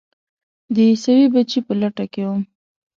د عیسوي بچي په لټه کې وم.